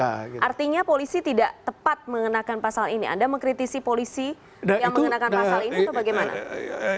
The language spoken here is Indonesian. artinya polisi tidak tepat mengenakan pasal ini anda mengkritisi polisi yang mengenakan pasal ini atau bagaimana